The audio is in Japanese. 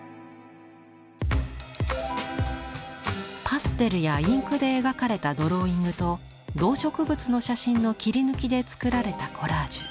パステルやインクで描かれたドローイングと動植物の写真の切り抜きで作られたコラージュ。